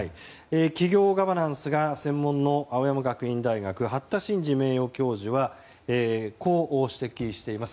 企業ガバナンスが専門の青山学院大学八田進二名誉教授はこう指摘しています。